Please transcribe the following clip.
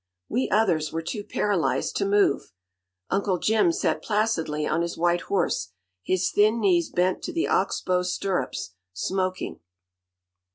We others were too paralyzed to move. Uncle Jim sat placidly on his white horse, his thin knees bent to the ox bow stirrups, smoking.